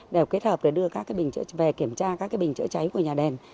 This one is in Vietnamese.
đều kết hợp để đưa các cái bình chữa cháy về kiểm tra các cái bình chữa cháy của nhà đền